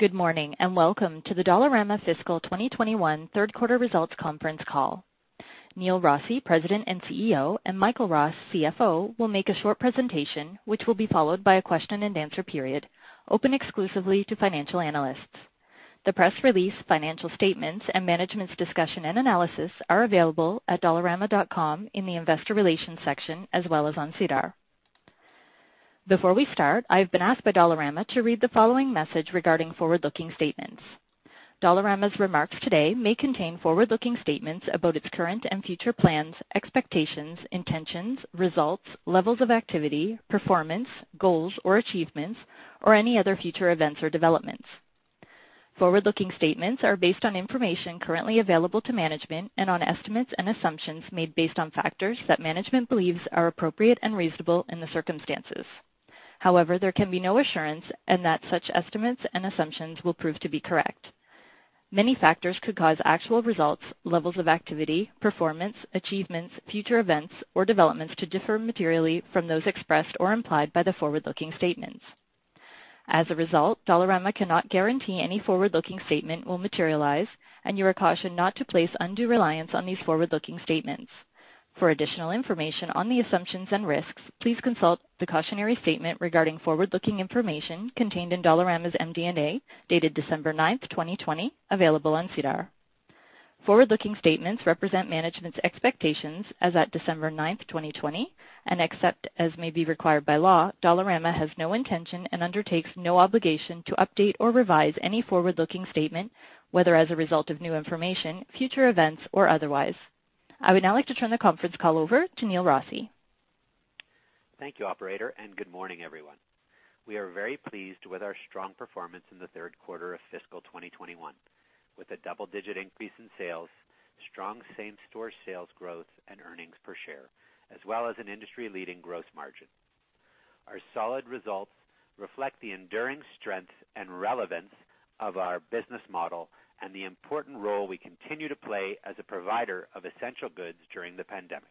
Good morning, and welcome to the Dollarama Fiscal 2021 Third Quarter Results Conference Call. Neil Rossy, President and CEO, Michael Ross, CFO, will make a short presentation, which will be followed by a question and answer period open exclusively to financial analysts. The press release, financial statements, and management's discussion and analysis are available at dollarama.com in the investor relations section as well as on SEDAR. Before we start, I have been asked by Dollarama to read the following message regarding forward-looking statements. Dollarama's remarks today may contain forward-looking statements about its current and future plans, expectations, intentions, results, levels of activity, performance, goals or achievements, or any other future events or developments. Forward-looking statements are based on information currently available to management and on estimates and assumptions made based on factors that management believes are appropriate and reasonable in the circumstances. However, there can be no assurance and that such estimates and assumptions will prove to be correct. Many factors could cause actual results, levels of activity, performance, achievements, future events, or developments to differ materially from those expressed or implied by the forward-looking statements. As a result, Dollarama cannot guarantee any forward-looking statement will materialize, and you are cautioned not to place undue reliance on these forward-looking statements. For additional information on the assumptions and risks, please consult the cautionary statement regarding forward-looking information contained in Dollarama's MD&A, dated December 9th, 2020, available on SEDAR. Forward-looking statements represent management's expectations as at December 9th, 2020, and except as may be required by law, Dollarama has no intention and undertakes no obligation to update or revise any forward-looking statement, whether as a result of new information, future events, or otherwise. I would now like to turn the conference call over to Neil Rossy. Thank you, operator, and good morning, everyone. We are very pleased with our strong performance in the third quarter of fiscal 2021. With a double-digit increase in sales, strong same-store sales growth and earnings per share, as well as an industry-leading gross margin. Our solid results reflect the enduring strength and relevance of our business model and the important role we continue to play as a provider of essential goods during the pandemic.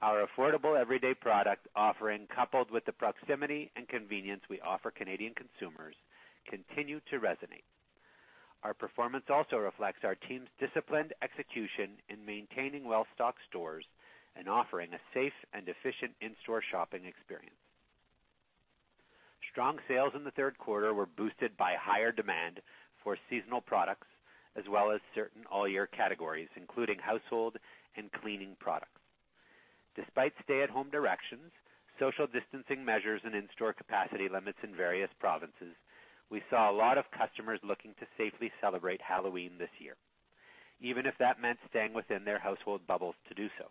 Our affordable everyday product offering, coupled with the proximity and convenience we offer Canadian consumers, continue to resonate. Our performance also reflects our team's disciplined execution in maintaining well-stocked stores and offering a safe and efficient in-store shopping experience. Strong sales in the third quarter were boosted by higher demand for seasonal products as well as certain all-year categories, including household and cleaning products. Despite stay-at-home directions, social distancing measures, and in-store capacity limits in various provinces, we saw a lot of customers looking to safely celebrate Halloween this year, even if that meant staying within their household bubbles to do so.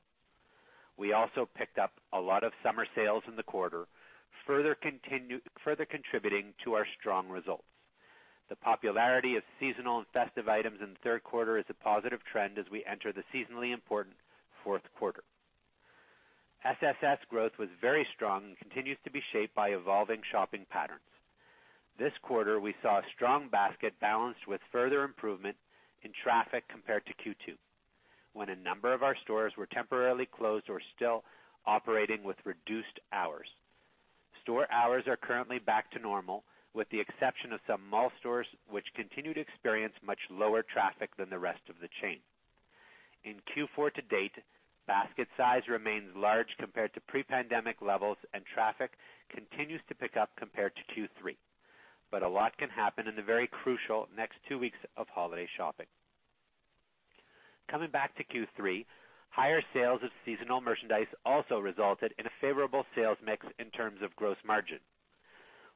We also picked up a lot of summer sales in the quarter, further contributing to our strong results. The popularity of seasonal and festive items in the third quarter is a positive trend as we enter the seasonally important fourth quarter. SSS growth was very strong and continues to be shaped by evolving shopping patterns. This quarter, we saw a strong basket balance with further improvement in traffic compared to Q2, when a number of our stores were temporarily closed or still operating with reduced hours. Store hours are currently back to normal, with the exception of some mall stores, which continue to experience much lower traffic than the rest of the chain. In Q4 to date, basket size remains large compared to pre-pandemic levels, and traffic continues to pick up compared to Q3. A lot can happen in the very crucial next two weeks of holiday shopping. Coming back to Q3, higher sales of seasonal merchandise also resulted in a favorable sales mix in terms of gross margin.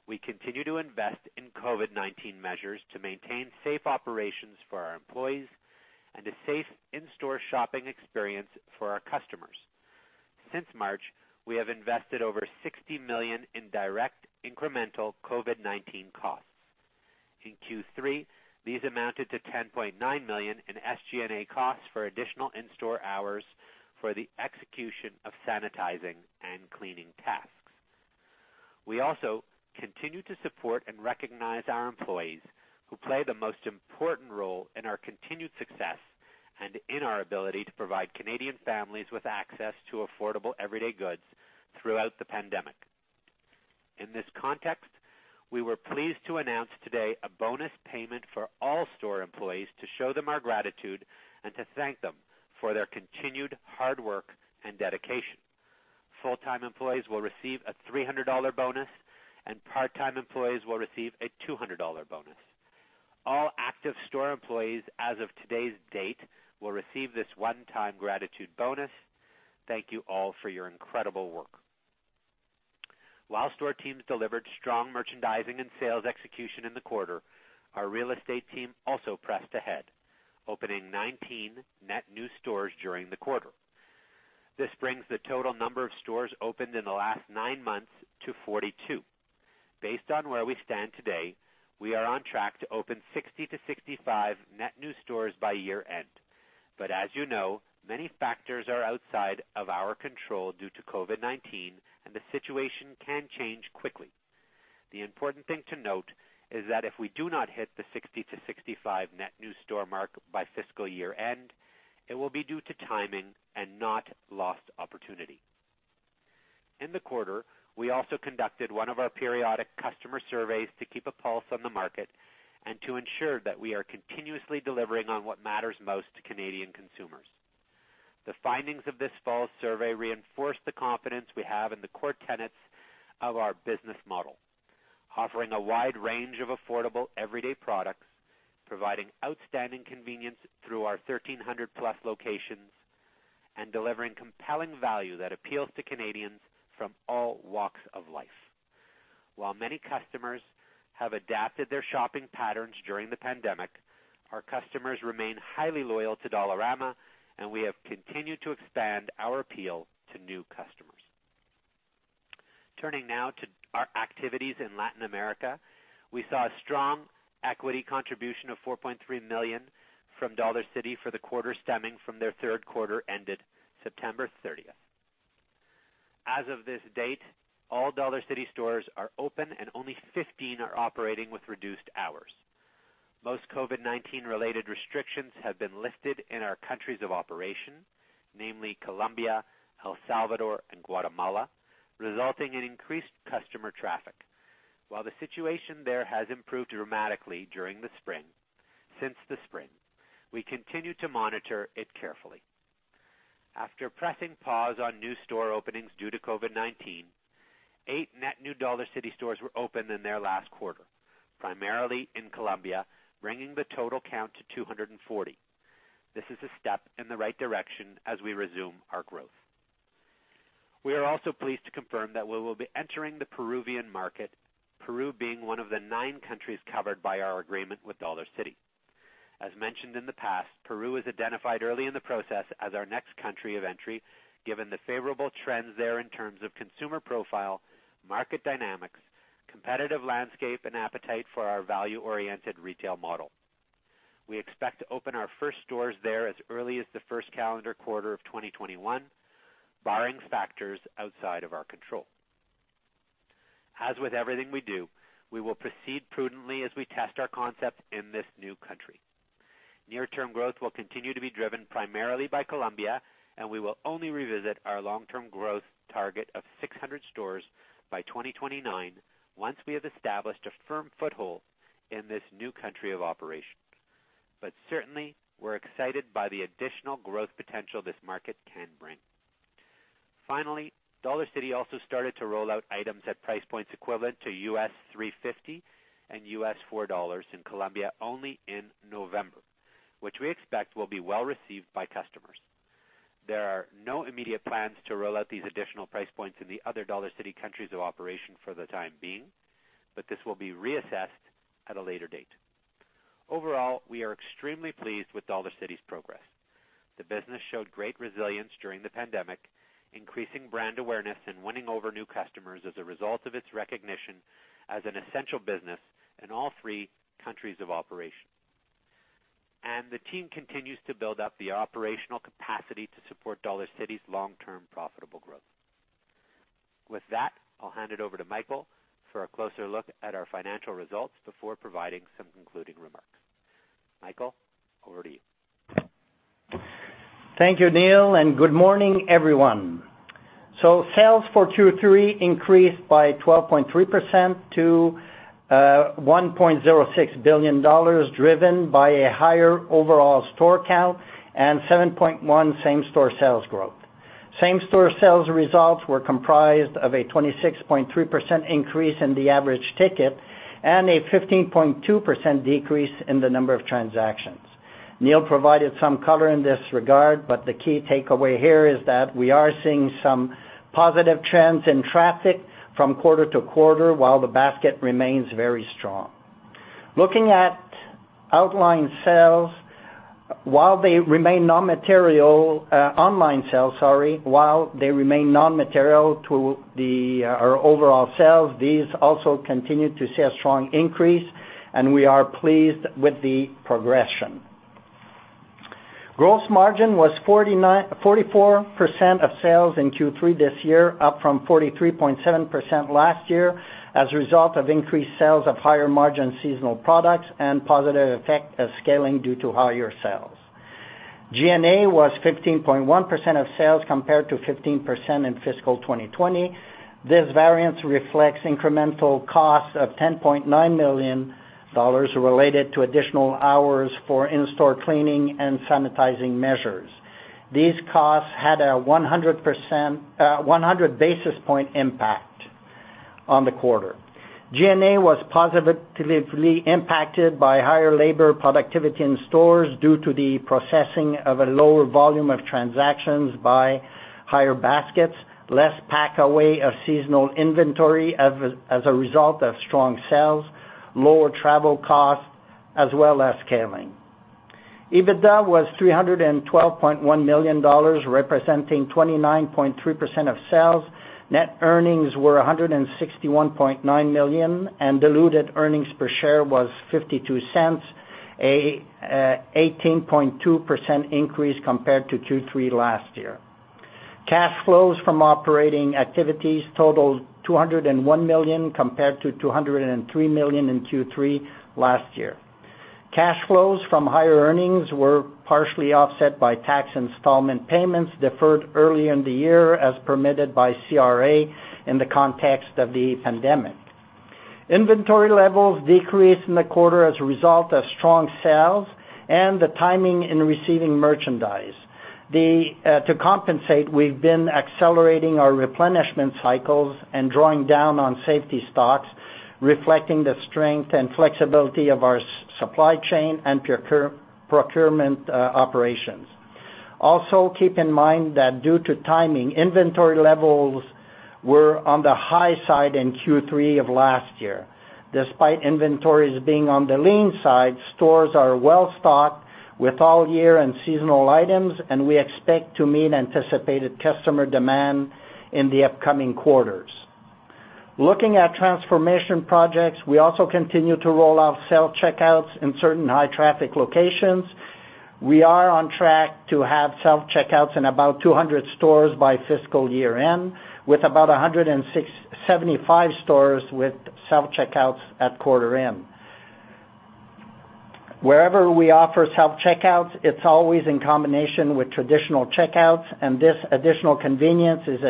We continue to invest in COVID-19 measures to maintain safe operations for our employees and a safe in-store shopping experience for our customers. Since March, we have invested over 60 million in direct incremental COVID-19 costs. In Q3, these amounted to 10.9 million in SG&A costs for additional in-store hours for the execution of sanitizing and cleaning tasks. We also continue to support and recognize our employees, who play the most important role in our continued success and in our ability to provide Canadian families with access to affordable everyday goods throughout the pandemic. In this context, we were pleased to announce today a bonus payment for all store employees to show them our gratitude and to thank them for their continued hard work and dedication. Full-time employees will receive a 300 dollar bonus, and part-time employees will receive a 200 dollar bonus. All active store employees as of today's date will receive this one-time gratitude bonus. Thank you all for your incredible work. While store teams delivered strong merchandising and sales execution in the quarter, our real estate team also pressed ahead, opening 19 net new stores during the quarter. This brings the total number of stores opened in the last nine months to 42. Based on where we stand today, we are on track to open 60-65 net new stores by year-end. As you know, many factors are outside of our control due to COVID-19, and the situation can change quickly. The important thing to note is that if we do not hit the 60-65 net new store mark by fiscal year-end, it will be due to timing and not lost opportunity. In the quarter, we also conducted one of our periodic customer surveys to keep a pulse on the market and to ensure that we are continuously delivering on what matters most to Canadian consumers. The findings of this fall survey reinforce the confidence we have in the core tenets of our business model: offering a wide range of affordable, everyday products, providing outstanding convenience through our 1,300+ locations, and delivering compelling value that appeals to Canadians from all walks of life. While many customers have adapted their shopping patterns during the pandemic, our customers remain highly loyal to Dollarama, and we have continued to expand our appeal to new customers. Turning now to our activities in Latin America, we saw a strong equity contribution of 4.3 million from Dollarcity for the quarter stemming from their third quarter ended September 30th. As of this date, all Dollarcity stores are open and only 15 are operating with reduced hours. Most COVID-19 related restrictions have been lifted in our countries of operation, namely Colombia, El Salvador, and Guatemala, resulting in increased customer traffic. While the situation there has improved dramatically since the spring, we continue to monitor it carefully. After pressing pause on new store openings due to COVID-19, eight net new Dollarcity stores were opened in their last quarter, primarily in Colombia, bringing the total count to 240. This is a step in the right direction as we resume our growth. We are also pleased to confirm that we will be entering the Peruvian market, Peru being one of the nine countries covered by our agreement with Dollarcity. As mentioned in the past, Peru was identified early in the process as our next country of entry, given the favorable trends there in terms of consumer profile, market dynamics, competitive landscape, and appetite for our value-oriented retail model. We expect to open our first stores there as early as the first calendar quarter of 2021, barring factors outside of our control. As with everything we do, we will proceed prudently as we test our concept in this new country. Near-term growth will continue to be driven primarily by Colombia, and we will only revisit our long-term growth target of 600 stores by 2029 once we have established a firm foothold in this new country of operation. Certainly, we're excited by the additional growth potential this market can bring. Finally, Dollarcity also started to roll out items at price points equivalent to $3.50 and $4 in Colombia only in November, which we expect will be well-received by customers. There are no immediate plans to roll out these additional price points in the other Dollarcity countries of operation for the time being, but this will be reassessed at a later date. Overall, we are extremely pleased with Dollarcity's progress. The business showed great resilience during the pandemic, increasing brand awareness and winning over new customers as a result of its recognition as an essential business in all three countries of operation. The team continues to build up the operational capacity to support Dollarcity's long-term profitable growth. With that, I'll hand it over to Michael for a closer look at our financial results before providing some concluding remarks. Michael, over to you. Thank you, Neil, and good morning, everyone. Sales for Q3 increased by 12.3% to 1.06 billion dollars, driven by a higher overall store count and 7.1% same-store sales growth. Same-store sales results were comprised of a 26.3% increase in the average ticket and a 15.2% decrease in the number of transactions. Neil provided some color in this regard, the key takeaway here is that we are seeing some positive trends in traffic from quarter to quarter while the basket remains very strong. Looking at online sales, while they remain non-material to our overall sales, these also continue to see a strong increase, and we are pleased with the progression. Gross margin was 44% of sales in Q3 this year, up from 43.7% last year, as a result of increased sales of higher-margin seasonal products and positive effect of scaling due to higher sales. SG&A was 15.1% of sales compared to 15% in fiscal 2020. This variance reflects incremental costs of 10.9 million dollars related to additional hours for in-store cleaning and sanitizing measures. These costs had a 100 basis point impact on the quarter. SG&A was positively impacted by higher labor productivity in stores due to the processing of a lower volume of transactions by higher baskets, less pack away of seasonal inventory as a result of strong sales, lower travel costs, as well as scaling. EBITDA was 312.1 million dollars, representing 29.3% of sales. Net earnings were 161.9 million, and diluted earnings per share was 0.52, a 18.2% increase compared to Q3 last year. Cash flows from operating activities totaled 201 million compared to 203 million in Q3 last year. Cash flows from higher earnings were partially offset by tax installment payments deferred early in the year as permitted by CRA in the context of the pandemic. Inventory levels decreased in the quarter as a result of strong sales and the timing in receiving merchandise. To compensate, we've been accelerating our replenishment cycles and drawing down on safety stocks, reflecting the strength and flexibility of our supply chain and procurement operations. Keep in mind that due to timing, inventory levels were on the high side in Q3 of last year. Despite inventories being on the lean side, stores are well-stocked with all year and seasonal items, and we expect to meet anticipated customer demand in the upcoming quarters. Looking at transformation projects, we also continue to roll out self-checkouts in certain high-traffic locations. We are on track to have self-checkouts in about 200 stores by fiscal year-end, with about 175 stores with self-checkouts at quarter end. Wherever we offer self-checkouts, it's always in combination with traditional checkouts, and this additional convenience is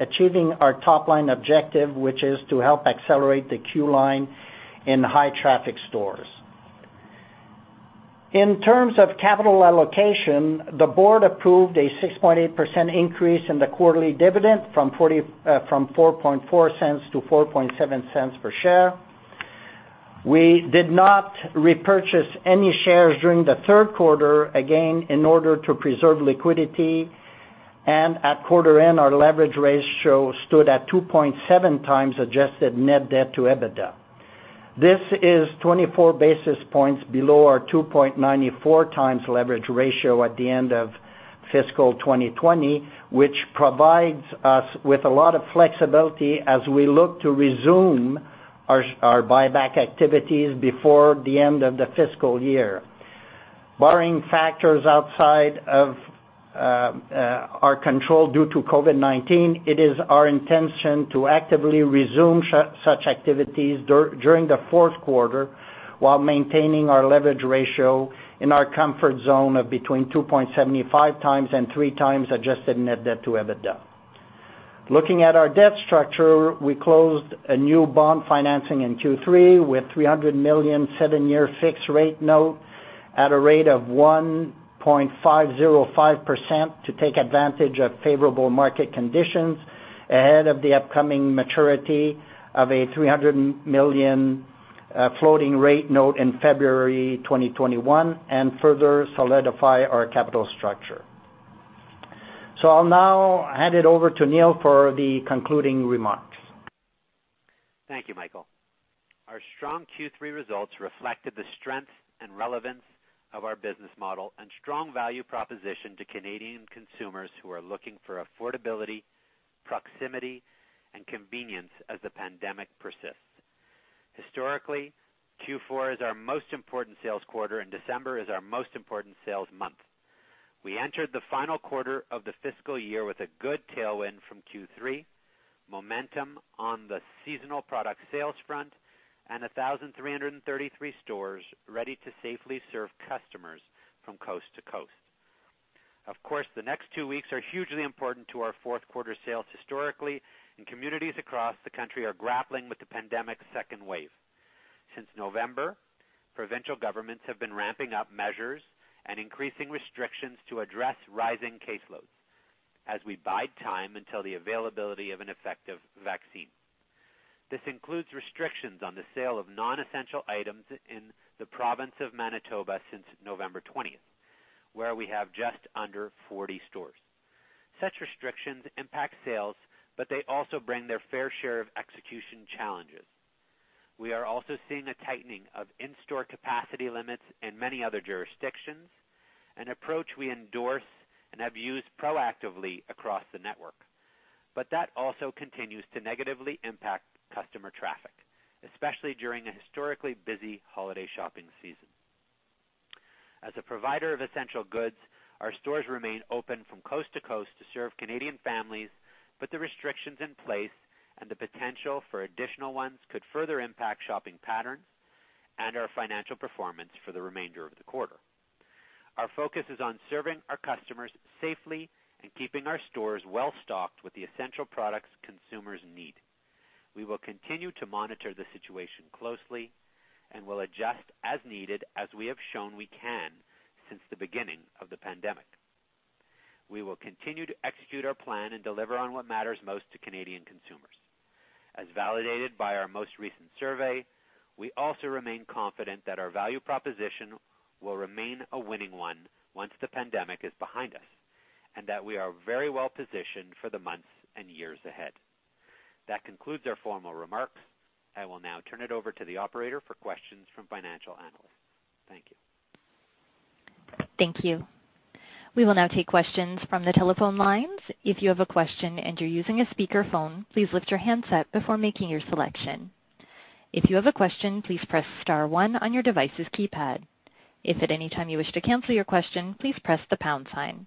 achieving our top-line objective, which is to help accelerate the queue line in high-traffic stores. In terms of capital allocation, the board approved a 6.8% increase in the quarterly dividend from 0.044 to 0.047 per share. We did not repurchase any shares during the third quarter, again, in order to preserve liquidity, and at quarter end, our leverage ratio stood at 2.7x adjusted net debt to EBITDA. This is 24 basis points below our 2.94x leverage ratio at the end of fiscal 2020, which provides us with a lot of flexibility as we look to resume our buyback activities before the end of the fiscal year. Barring factors outside of our control due to COVID-19, it is our intention to actively resume such activities during the fourth quarter while maintaining our leverage ratio in our comfort zone of between 2.75x and 3x adjusted net debt to EBITDA. Looking at our debt structure, we closed a new bond financing in Q3 with 300 million seven-year fixed rate note at a rate of 1.505% to take advantage of favorable market conditions ahead of the upcoming maturity of a 300 million floating rate note in February 2021 and further solidify our capital structure. I'll now hand it over to Neil for the concluding remarks. Thank you, Michael. Our strong Q3 results reflected the strength and relevance of our business model and strong value proposition to Canadian consumers who are looking for affordability, proximity, and convenience as the pandemic persists. Historically, Q4 is our most important sales quarter, and December is our most important sales month. We entered the final quarter of the fiscal year with a good tailwind from Q3, momentum on the seasonal product sales front, and 1,333 stores ready to safely serve customers from coast to coast. Of course, the next two weeks are hugely important to our fourth quarter sales historically, and communities across the country are grappling with the pandemic's second wave. Since November, provincial governments have been ramping up measures and increasing restrictions to address rising caseloads as we bide time until the availability of an effective vaccine. This includes restrictions on the sale of non-essential items in the province of Manitoba since November 20th, where we have just under 40 stores. Such restrictions impact sales, but they also bring their fair share of execution challenges. We are also seeing a tightening of in-store capacity limits in many other jurisdictions, an approach we endorse and have used proactively across the network. That also continues to negatively impact customer traffic, especially during a historically busy holiday shopping season. As a provider of essential goods, our stores remain open from coast to coast to serve Canadian families, but the restrictions in place and the potential for additional ones could further impact shopping patterns and our financial performance for the remainder of the quarter. Our focus is on serving our customers safely and keeping our stores well-stocked with the essential products consumers need. We will continue to monitor the situation closely and will adjust as needed, as we have shown we can since the beginning of the pandemic. We will continue to execute our plan and deliver on what matters most to Canadian consumers. As validated by our most recent survey, we also remain confident that our value proposition will remain a winning one once the pandemic is behind us, and that we are very well-positioned for the months and years ahead. That concludes our formal remarks. I will now turn it over to the operator for questions from financial analysts. Thank you. Thank you. We will now take questions from the telephone lines. If you have a question and you're using a speakerphone, please lift your handset before making your selection. If you have a question, please press star one on your device's keypad. If at any time you wish to cancel your question, please press the pound sign.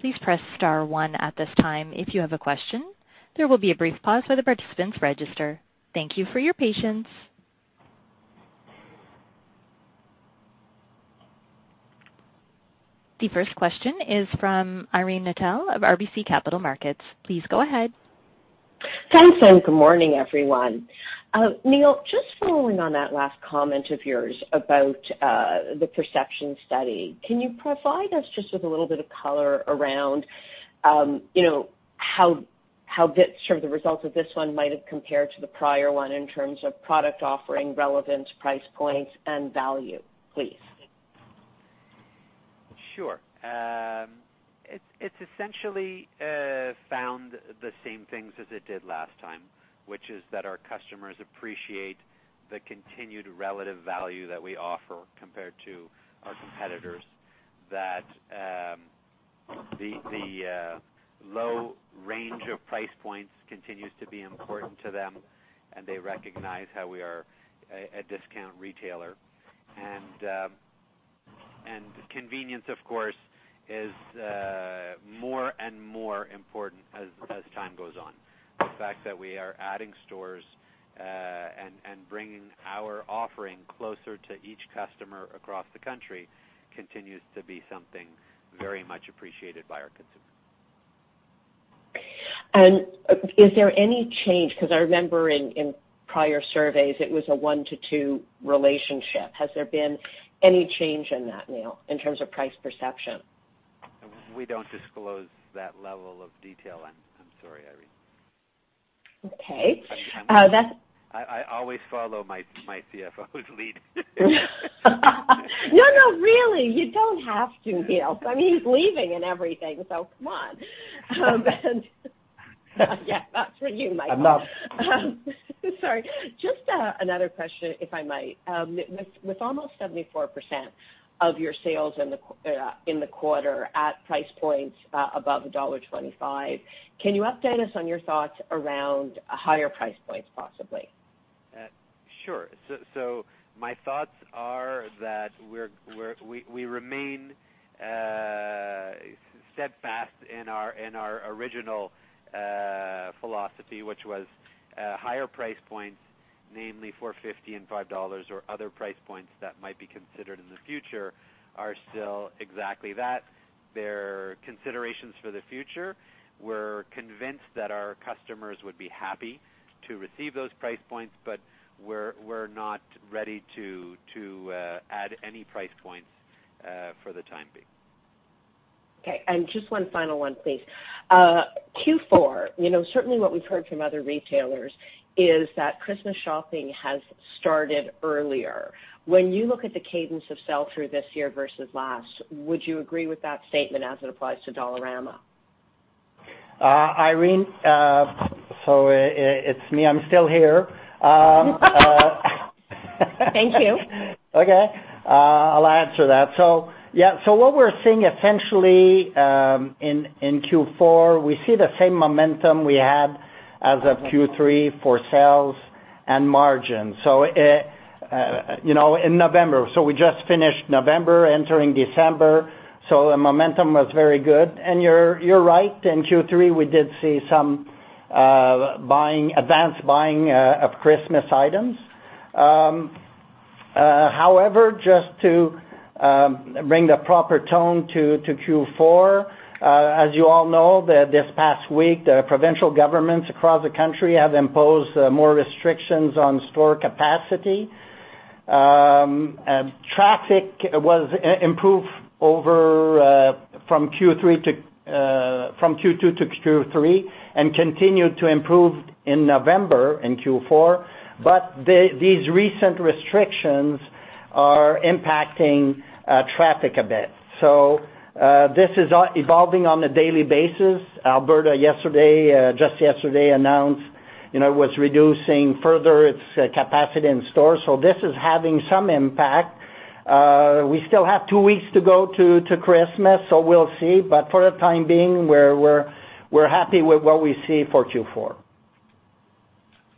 Please press star one at this time if you have a question. There will be a brief pause for the participants register. Thank you for your patience. The first question is from Irene Nattel of RBC Capital Markets. Please go ahead. Thanks, good morning, everyone. Neil, just following on that last comment of yours about the perception study, can you provide us just with a little bit of color around how bits from the results of this one might have compared to the prior one in terms of product offering, relevance, price points, and value, please? Sure. It's essentially found the same things as it did last time, which is that our customers appreciate the continued relative value that we offer compared to our competitors, that the low range of price points continues to be important to them, and they recognize how we are a discount retailer. Convenience, of course, is more and more important as time goes on. The fact that we are adding stores, and bringing our offering closer to each customer across the country continues to be something very much appreciated by our consumers. Is there any change, because I remember in prior surveys it was a one-to-two relationship. Has there been any change in that, Neil, in terms of price perception? We don't disclose that level of detail. I'm sorry, Irene. Okay. I always follow my CFO's lead. No, no, really, you don't have to, Neil. I mean, he's leaving and everything, so come on. Yeah, that's for you, Michael. I'm not- Sorry. Just another question, if I might. With almost 74% of your sales in the quarter at price points above dollar 1.25, can you update us on your thoughts around higher price points possibly? Sure. My thoughts are that we remain steadfast in our original philosophy, which was higher price points, namely 4.50 and 5 dollars or other price points that might be considered in the future are still exactly that. They're considerations for the future. We're convinced that our customers would be happy to receive those price points, but we're not ready to add any price points for the time being. Okay. Just one final one, please. Q4, certainly what we've heard from other retailers is that Christmas shopping has started earlier. When you look at the cadence of sell-through this year versus last, would you agree with that statement as it applies to Dollarama? Irene, it's me, I'm still here. Thank you. What we're seeing essentially, in Q4, we see the same momentum we had as of Q3 for sales and margin. In November, we just finished November, entering December, so the momentum was very good. You're right. In Q3, we did see some advanced buying of Christmas items. However, just to bring the proper tone to Q4, as you all know, this past week, the provincial governments across the country have imposed more restrictions on store capacity. Traffic was improved from Q2 to Q3 and continued to improve in November in Q4, but these recent restrictions are impacting traffic a bit. This is evolving on a daily basis. Alberta just yesterday announced it was reducing further its capacity in stores, so this is having some impact. We still have two weeks to go to Christmas, so we'll see. For the time being, we're happy with what we see for Q4.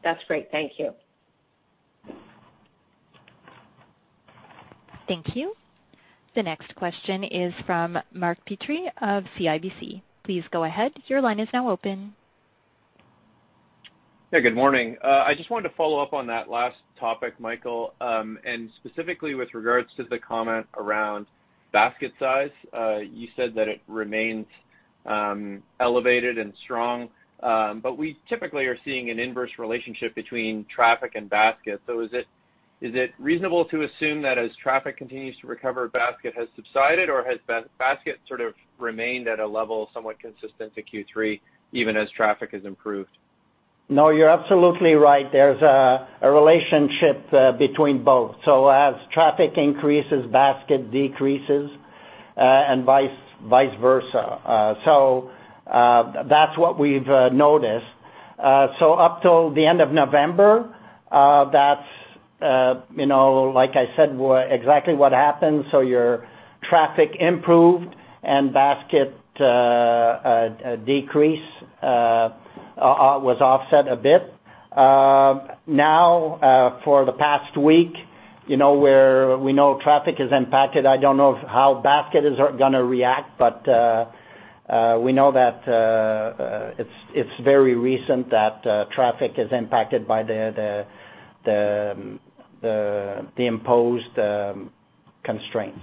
That's great. Thank you. Thank you. The next question is from Mark Petrie of CIBC. Please go ahead. Your line is now open. Yeah, good morning. I just wanted to follow up on that last topic, Michael, and specifically with regards to the comment around basket size. You said that it remains elevated and strong. We typically are seeing an inverse relationship between traffic and basket. Is it reasonable to assume that as traffic continues to recover, basket has subsided, or has basket sort of remained at a level somewhat consistent to Q3 even as traffic has improved? No, you're absolutely right. There's a relationship between both. As traffic increases, basket decreases, and vice versa. That's what we've noticed. Up till the end of November, that's, like I said, exactly what happened. Your traffic improved and. A decrease was offset a bit. Now, for the past week, where we know traffic is impacted, I don't know how basket is going to react, but we know that it's very recent that traffic is impacted by the imposed constraints.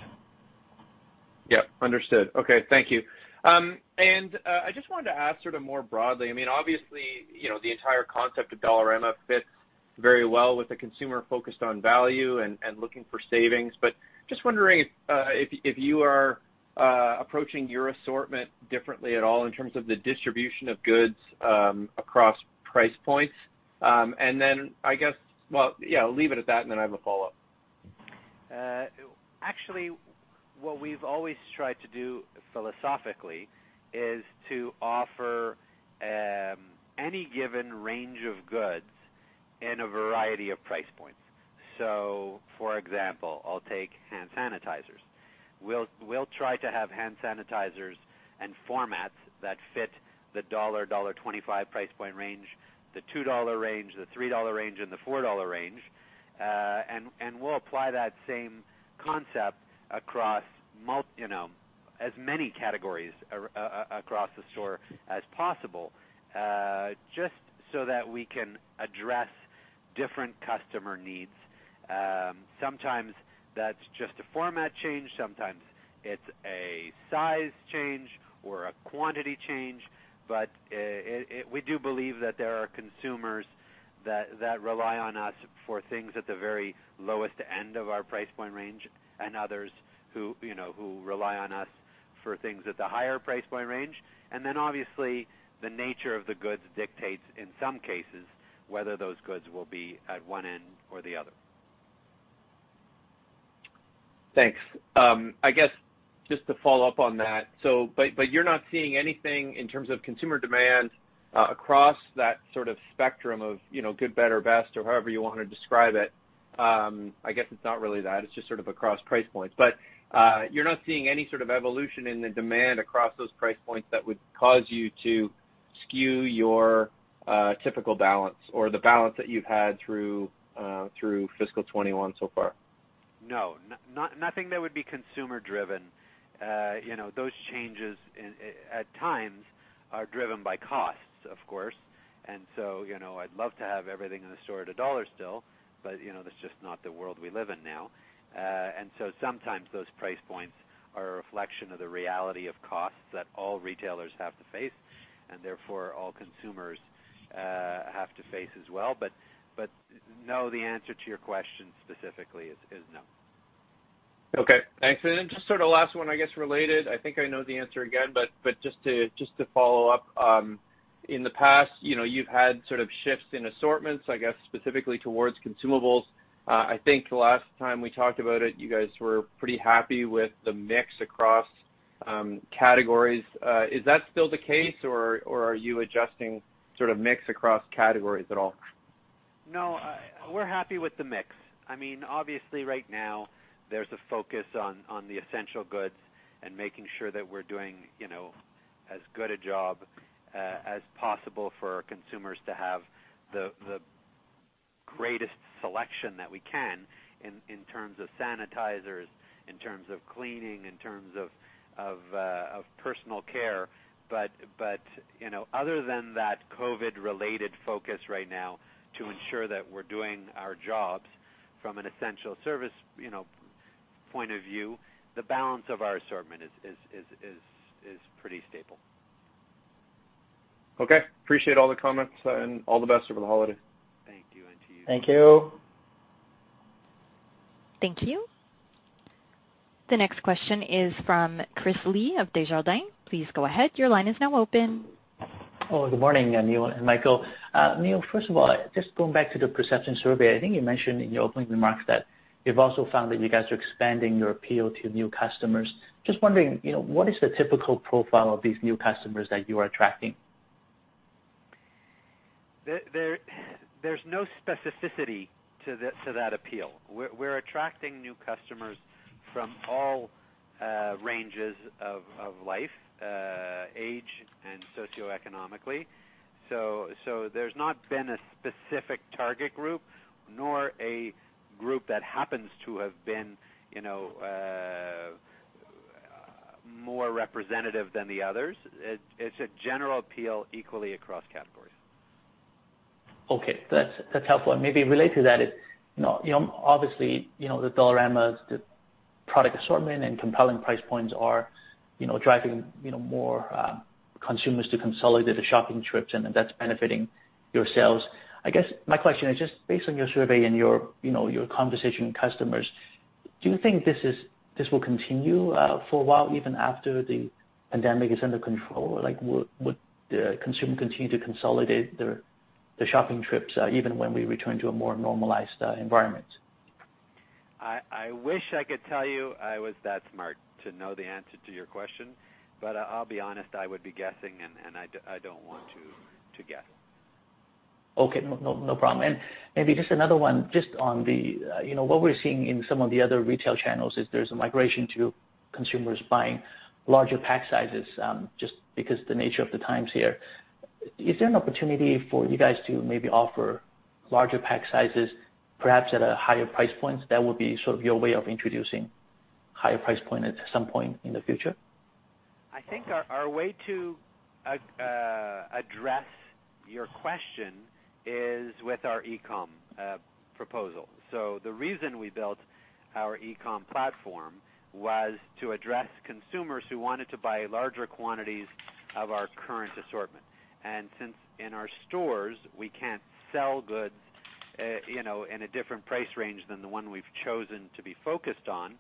Yep, understood. Okay, thank you. I just wanted to ask sort of more broadly, obviously, the entire concept of Dollarama fits very well with the consumer focused on value and looking for savings, but just wondering if you are approaching your assortment differently at all in terms of the distribution of goods across price points. I guess, well, yeah, leave it at that, then I have a follow-up. Actually, what we've always tried to do philosophically is to offer any given range of goods in a variety of price points. For example, I'll take hand sanitizers. We'll try to have hand sanitizers and formats that fit the CAD 1, dollar 1.25 price point range, the 2 dollar range, the 3 dollar range, and the 4 dollar range. We'll apply that same concept across as many categories across the store as possible, just so that we can address different customer needs. Sometimes that's just a format change, sometimes it's a size change or a quantity change. We do believe that there are consumers that rely on us for things at the very lowest end of our price point range, and others who rely on us for things at the higher price point range. Obviously, the nature of the goods dictates, in some cases, whether those goods will be at one end or the other. Thanks. I guess just to follow up on that, you're not seeing anything in terms of consumer demand across that sort of spectrum of good, better, best, or however you want to describe it. I guess it's not really that, it's just sort of across price points. You're not seeing any sort of evolution in the demand across those price points that would cause you to skew your typical balance or the balance that you've had through fiscal 2021 so far? No, nothing that would be consumer driven. Those changes, at times, are driven by costs, of course. I'd love to have everything in the store at CAD 1 still, but that's just not the world we live in now. Sometimes those price points are a reflection of the reality of costs that all retailers have to face, and therefore all consumers have to face as well. No, the answer to your question specifically is no. Okay, thanks. Just sort of last one, I guess, related. I think I know the answer again, just to follow up. In the past, you've had sort of shifts in assortments, I guess specifically towards consumables. I think the last time we talked about it, you guys were pretty happy with the mix across categories. Is that still the case, or are you adjusting sort of mix across categories at all? No, we're happy with the mix. Obviously right now there's a focus on the essential goods and making sure that we're doing as good a job as possible for our consumers to have the greatest selection that we can in terms of sanitizers, in terms of cleaning, in terms of personal care. Other than that COVID-related focus right now to ensure that we're doing our jobs from an essential service point of view, the balance of our assortment is pretty stable. Okay. Appreciate all the comments and all the best over the holiday. Thank you, and to you. Thank you. Thank you. The next question is from Chris Li of Desjardins. Please go ahead. Good morning, Neil and Michael. Neil, first of all, just going back to the perception survey, I think you mentioned in your opening remarks that you've also found that you guys are expanding your appeal to new customers. Just wondering, what is the typical profile of these new customers that you are attracting? There's no specificity to that appeal. We're attracting new customers from all ranges of life, age, and socioeconomically. There's not been a specific target group nor a group that happens to have been more representative than the others. It's a general appeal equally across categories. Okay, that's helpful. Maybe related to that is, obviously, the Dollarama's product assortment and compelling price points are driving more consumers to consolidate the shopping trips and that's benefiting your sales. I guess my question is just based on your survey and your conversation with customers, do you think this will continue for a while, even after the pandemic is under control? Would the consumer continue to consolidate their shopping trips even when we return to a more normalized environment? I wish I could tell you I was that smart to know the answer to your question. I'll be honest, I would be guessing, and I don't want to guess. Okay, no problem. Maybe just another one, just on what we're seeing in some of the other retail channels is there's a migration to consumers buying larger pack sizes, just because the nature of the times here. Is there an opportunity for you guys to maybe offer larger pack sizes, perhaps at higher price points that will be sort of your way of introducing higher price point at some point in the future? I think our way to address your question is with our e-com proposal. The reason we built our e-com platform was to address consumers who wanted to buy larger quantities of our current assortment. Since in our stores, we can't sell goods in a different price range than the one we've chosen to be focused on,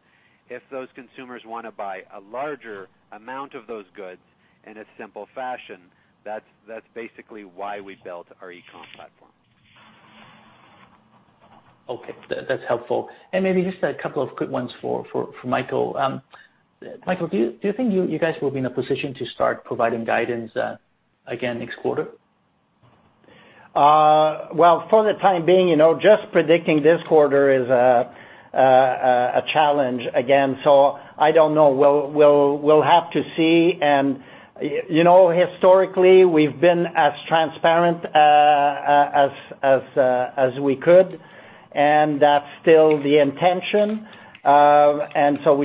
if those consumers want to buy a larger amount of those goods in a simple fashion, that's basically why we built our e-com platform. Okay. That's helpful. Maybe just a couple of quick ones for Michael. Michael, do you think you guys will be in a position to start providing guidance again next quarter? Well, for the time being, just predicting this quarter is a challenge again. I don't know. We'll have to see. Historically, we've been as transparent as we could, and that's still the intention. We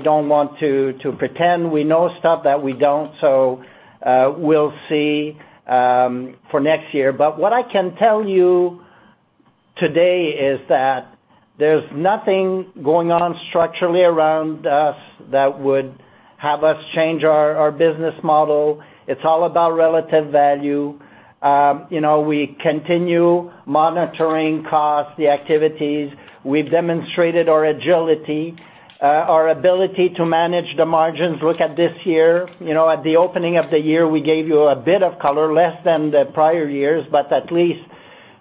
don't want to pretend we know stuff that we don't. We'll see for next year. What I can tell you today is that there's nothing going on structurally around us that would have us change our business model. It's all about relative value. We continue monitoring costs, the activities. We've demonstrated our agility, our ability to manage the margins. Look at this year. At the opening of the year, we gave you a bit of color, less than the prior years, but at least,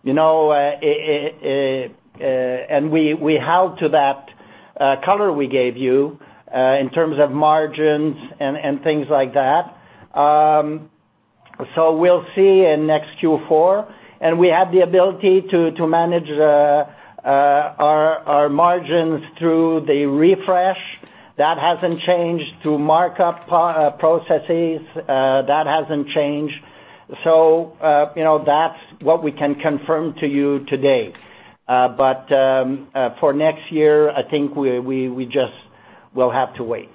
and we held to that color we gave you in terms of margins and things like that. We'll see in next Q4, and we have the ability to manage our margins through the refresh. That hasn't changed through markup processes. That hasn't changed. That's what we can confirm to you today. For next year, I think we just will have to wait.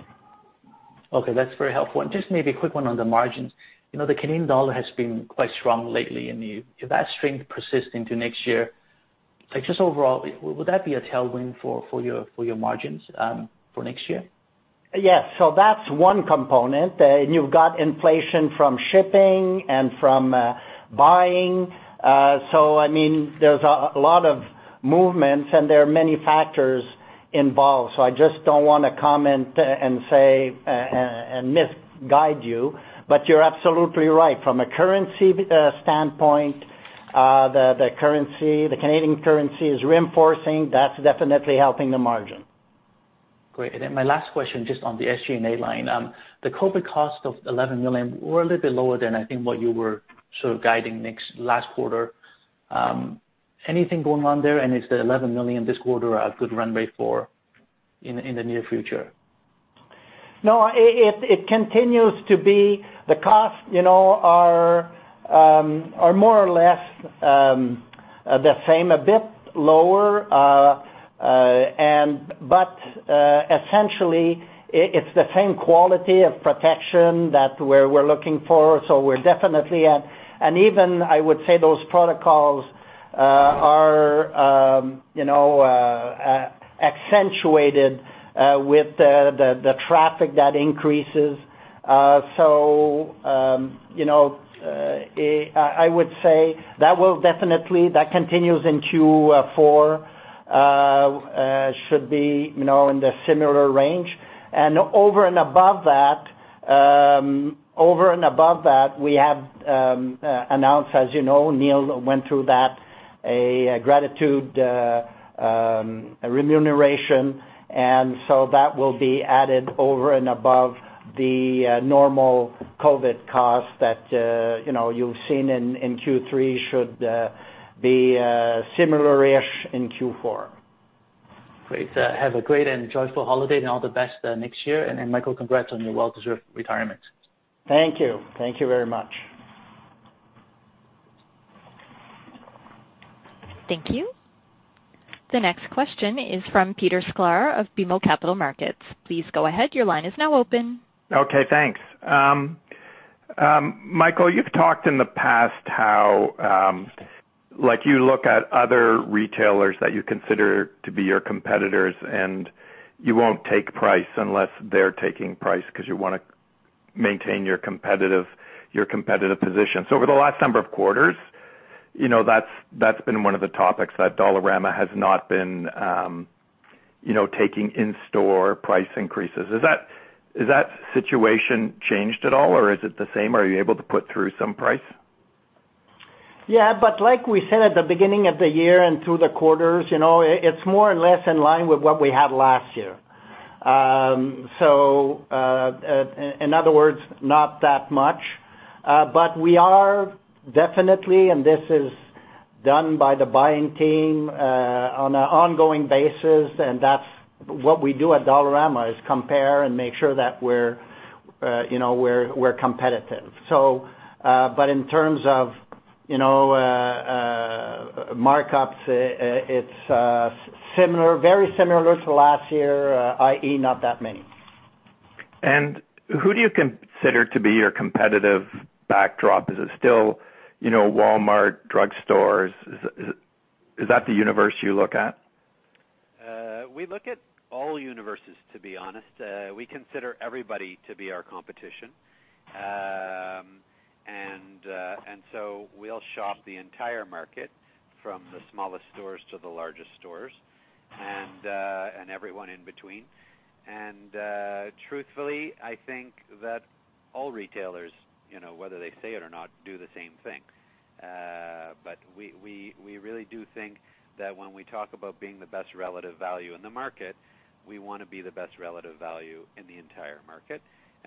Okay. That's very helpful. Just maybe a quick one on the margins. The Canadian dollar has been quite strong lately, and if that strength persists into next year, like just overall, would that be a tailwind for your margins for next year? Yes. That's one component. You've got inflation from shipping and from buying. I mean, there's a lot of movements and there are many factors involved. I just don't want to comment and say, and misguide you, but you're absolutely right. From a currency standpoint, the Canadian currency is reinforcing. That's definitely helping the margin. Great. Then my last question, just on the SG&A line. The COVID cost of 11 million were a little bit lower than I think what you were sort of guiding last quarter. Anything going on there, is the 11 million this quarter a good runway for in the near future? No, it continues to be the cost are more or less the same, a bit lower. Essentially, it's the same quality of protection that we're looking for. We're definitely at, and even I would say those protocols are accentuated with the traffic that increases. I would say that continues in Q4, should be in the similar range. Over and above that, we have announced, as you know, Neil went through that, a gratitude remuneration. That will be added over and above the normal COVID costs that you've seen in Q3 should be similar-ish in Q4. Great. Have a great and joyful holiday and all the best next year. Michael, congrats on your well-deserved retirement. Thank you. Thank you very much. Thank you. The next question is from Peter Sklar of BMO Capital Markets. Please go ahead, your line is now open. Okay, thanks. Michael, you've talked in the past how you look at other retailers that you consider to be your competitors, and you won't take price unless they're taking price because you want to maintain your competitive position. Over the last number of quarters, that's been one of the topics that Dollarama has not been taking in-store price increases. Has that situation changed at all, or is it the same? Are you able to put through some price? Yeah, like we said at the beginning of the year and through the quarters, it's more or less in line with what we had last year. In other words, not that much. We are definitely, and this is done by the buying team on an ongoing basis, and that's what we do at Dollarama, is compare and make sure that we're competitive. In terms of markups, it's very similar to last year, i.e., not that many. Who do you consider to be your competitive backdrop? Is it still Walmart, drugstores? Is that the universe you look at? We look at all universes, to be honest. We consider everybody to be our competition. We'll shop the entire market, from the smallest stores to the largest stores, and everyone in between. Truthfully, I think that all retailers, whether they say it or not, do the same thing. We really do think that when we talk about being the best relative value in the market, we want to be the best relative value in the entire market.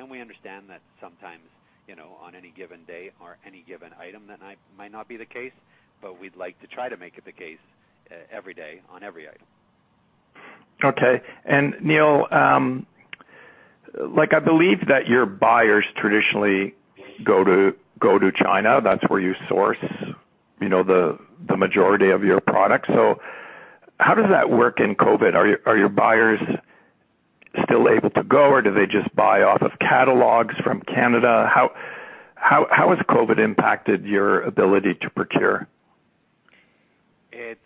We understand that sometimes, on any given day or any given item, that might not be the case, but we'd like to try to make it the case every day on every item. Okay. Neil, I believe that your buyers traditionally go to China. That's where you source the majority of your products. How does that work in COVID? Are your buyers still able to go, or do they just buy off of catalogs from Canada? How has COVID impacted your ability to procure? It's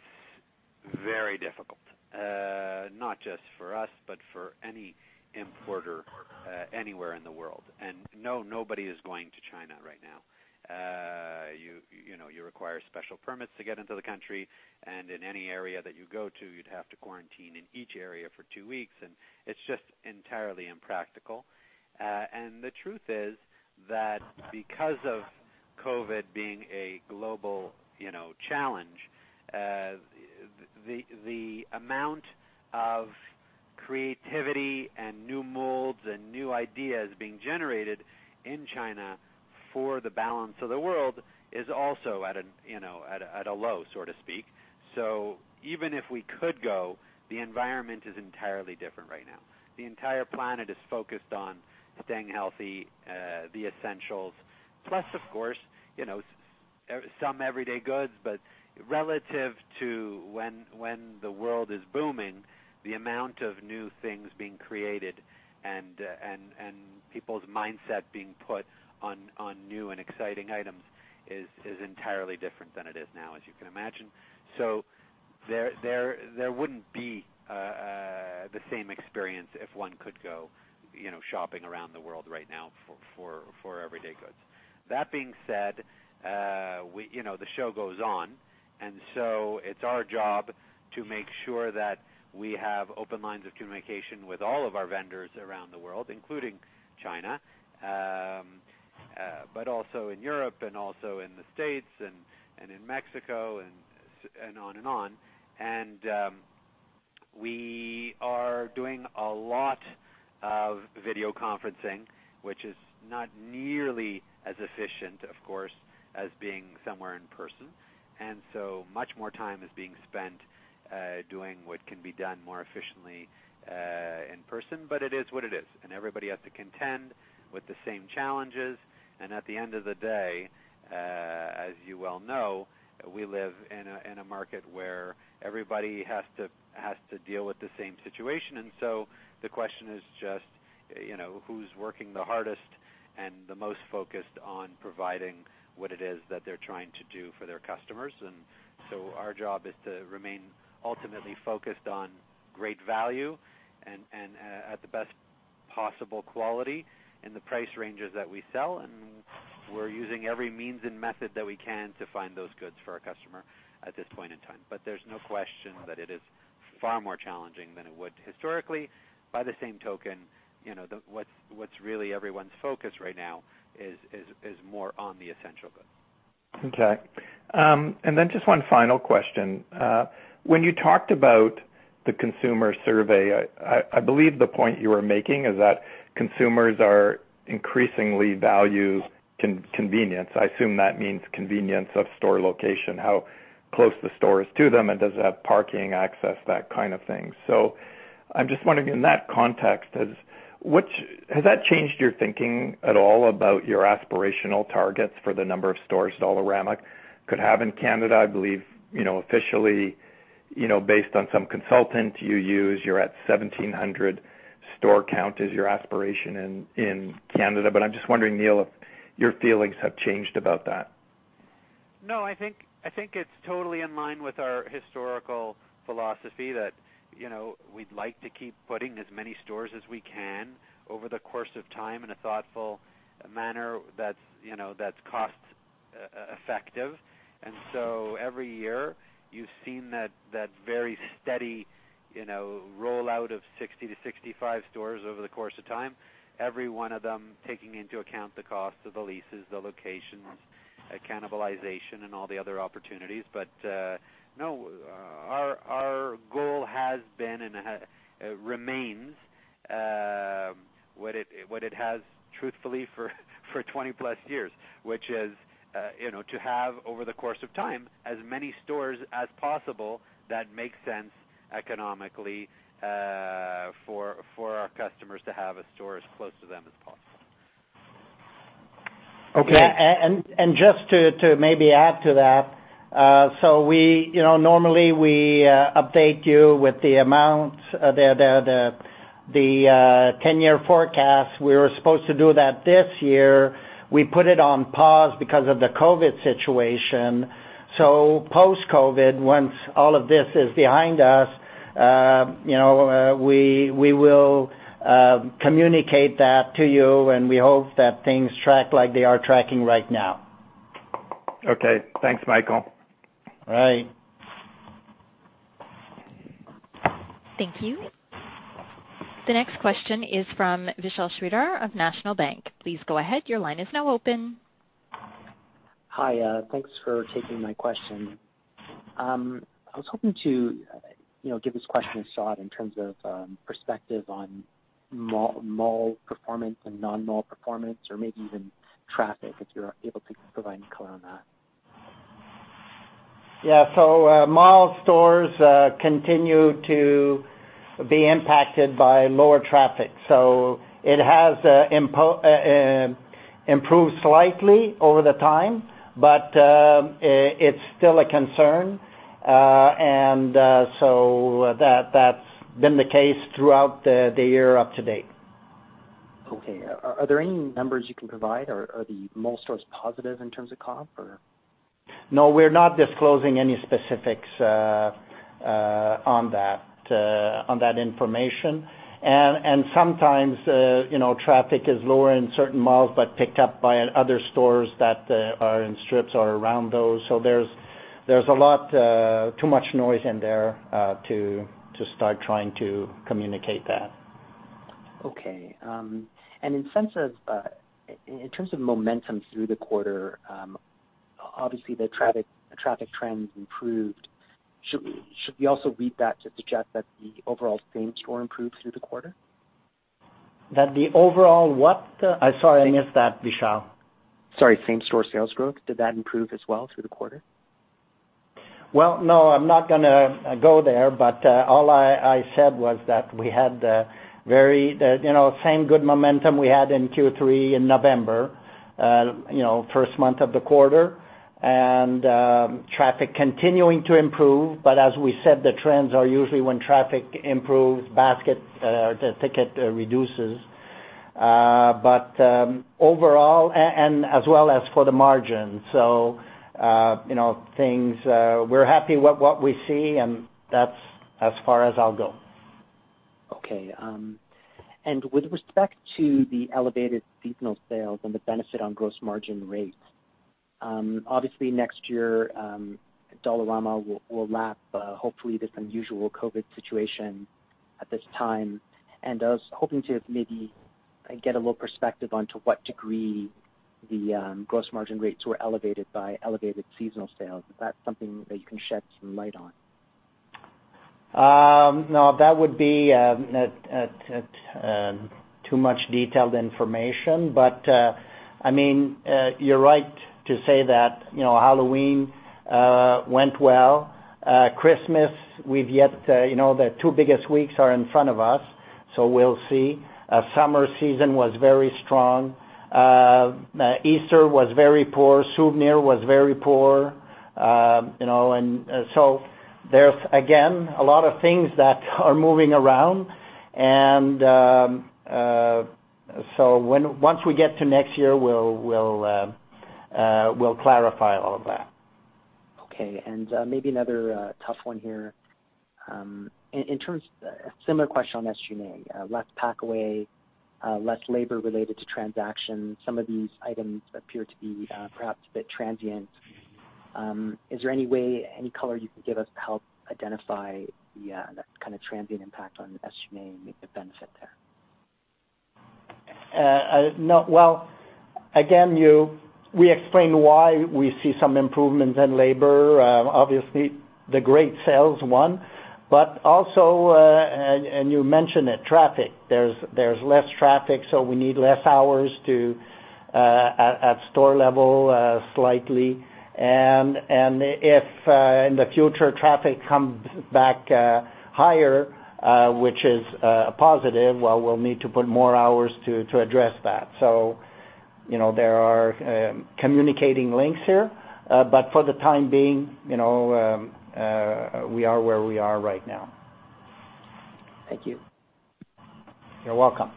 very difficult. Not just for us, but for any importer anywhere in the world. No, nobody is going to China right now. You require special permits to get into the country, in any area that you go to, you'd have to quarantine in each area for two weeks, and it's just entirely impractical. The truth is that because of COVID being a global challenge, the amount of creativity and new molds and new ideas being generated in China for the balance of the world is also at a low, so to speak. Even if we could go, the environment is entirely different right now. The entire planet is focused on staying healthy, the essentials, plus, of course, some everyday goods. Relative to when the world is booming, the amount of new things being created and people's mindset being put on new and exciting items is entirely different than it is now, as you can imagine. There wouldn't be the same experience if one could go shopping around the world right now for everyday goods. That being said, the show goes on. It's our job to make sure that we have open lines of communication with all of our vendors around the world, including China, but also in Europe and also in the U.S. and in Mexico, and on and on. We are doing a lot of video conferencing, which is not nearly as efficient, of course, as being somewhere in person. Much more time is being spent doing what can be done more efficiently in person. It is what it is. Everybody has to contend with the same challenges. At the end of the day, as you well know, we live in a market where everybody has to deal with the same situation. The question is just who's working the hardest and the most focused on providing what it is that they're trying to do for their customers. Our job is to remain ultimately focused on great value and at the best possible quality in the price ranges that we sell. We're using every means and method that we can to find those goods for our customer at this point in time. There's no question that it is far more challenging than it would historically. By the same token, what's really everyone's focus right now is more on the essential goods. Okay. Just one final question. When you talked about the consumer survey, I believe the point you were making is that consumers are increasingly value convenience. I assume that means convenience of store location, how close the store is to them, and does it have parking access, that kind of thing. I'm just wondering, in that context, has that changed your thinking at all about your aspirational targets for the number of stores Dollarama could have in Canada? I believe officially, based on some consultant you use, you're at 1,700 store count is your aspiration in Canada. I'm just wondering, Neil, if your feelings have changed about that. No, I think it's totally in line with our historical philosophy that we'd like to keep putting as many stores as we can over the course of time in a thoughtful manner that's cost effective. Every year, you've seen that very steady rollout of 60-65 stores over the course of time, every one of them taking into account the cost of the leases, the locations, cannibalization, and all the other opportunities. No, our goal has been and remains what it has truthfully for 20+ years, which is to have, over the course of time, as many stores as possible that make sense economically for our customers to have a store as close to them as possible. Okay. Just to maybe add to that, normally we update you with the amount, the 10-year forecast. We were supposed to do that this year. We put it on pause because of the COVID situation. Post-COVID, once all of this is behind us, we will communicate that to you, and we hope that things track like they are tracking right now. Okay. Thanks, Michael. All right. Thank you. The next question is from Vishal Shreedhar of National Bank. Please go ahead. Hi. Thanks for taking my question. I was hoping to give this question a shot in terms of perspective on mall performance and non-mall performance, or maybe even traffic, if you're able to provide any color on that. Yeah. Mall stores continue to be impacted by lower traffic. It has improved slightly over the time, but it's still a concern. That's been the case throughout the year up to date. Okay. Are there any numbers you can provide? Are the mall stores positive in terms of comp or? No, we're not disclosing any specifics on that information. Sometimes traffic is lower in certain malls, but picked up by other stores that are in strips or around those. There's too much noise in there to start trying to communicate that. Okay. In terms of momentum through the quarter, obviously the traffic trends improved. Should we also read that to suggest that the overall same-store improved through the quarter? That the overall what? I'm sorry, I missed that, Vishal. Sorry, same-store sales growth, did that improve as well through the quarter? Well, no, I'm not gonna go there. All I said was that we had the same good momentum we had in Q3 in November, first month of the quarter, and traffic continuing to improve. As we said, the trends are usually when traffic improves, basket or the ticket reduces. Overall, and as well as for the margin, we're happy with what we see, and that's as far as I'll go. Okay. With respect to the elevated seasonal sales and the benefit on gross margin rates, obviously next year, Dollarama will lap, hopefully, this unusual COVID-19 situation at this time. I was hoping to maybe get a little perspective on to what degree the gross margin rates were elevated by elevated seasonal sales. Is that something that you can shed some light on? No, that would be too much detailed information. You're right to say that Halloween went well. Christmas, the two biggest weeks are in front of us, so we'll see. Summer season was very strong. Easter was very poor. Seasonal was very poor. There's, again, a lot of things that are moving around. Once we get to next year, we'll clarify all of that. Okay. Maybe another tough one here. A similar question on SG&A. Less pack away, less labor related to transactions. Some of these items appear to be perhaps a bit transient. Is there any way, any color you can give us to help identify the kind of transient impact on SG&A and maybe the benefit there? Well, again, we explained why we see some improvements in labor. Obviously, the great sales, one. Also, and you mentioned it, traffic. There's less traffic, we need less hours at store level, slightly. If in the future, traffic comes back higher, which is a positive, well, we'll need to put more hours to address that. There are communicating links here. For the time being, we are where we are right now. Thank you. You're welcome.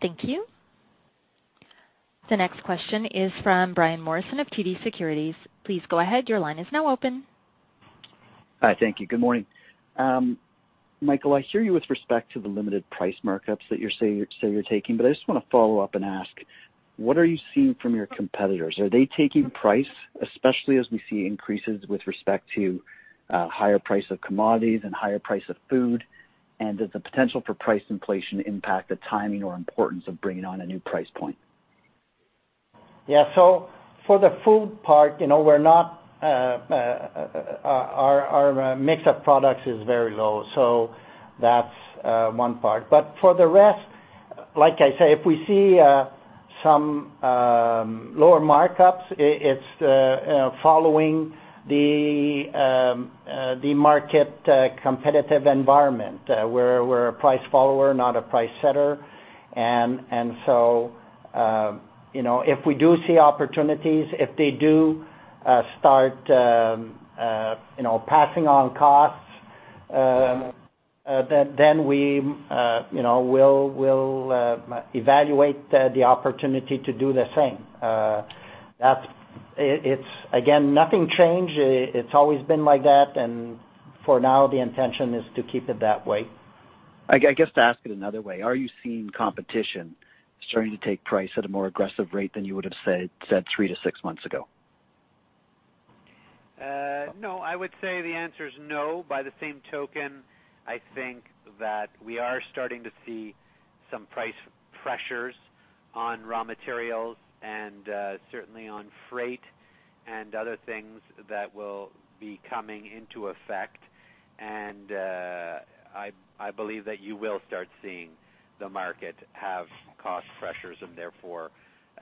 Thank you. The next question is from Brian Morrison of TD Securities. Please go ahead. Hi. Thank you. Good morning. Michael, I hear you with respect to the limited price markups that you say you're taking, but I just want to follow up and ask, what are you seeing from your competitors? Are they taking price, especially as we see increases with respect to higher price of commodities and higher price of food? Does the potential for price inflation impact the timing or importance of bringing on a new price point? Yeah. For the food part, our mix of products is very low. For the rest, like I say, if we see some lower markups, it's following the market competitive environment, where we're a price follower, not a price setter. If we do see opportunities, if they do start passing on costs, then we'll evaluate the opportunity to do the same. Again, nothing changed. It's always been like that. For now, the intention is to keep it that way. I guess to ask it another way, are you seeing competition starting to take price at a more aggressive rate than you would've said 3-6 months ago? No, I would say the answer is no. By the same token, I think that we are starting to see some price pressures on raw materials and certainly on freight and other things that will be coming into effect. I believe that you will start seeing the market have cost pressures and therefore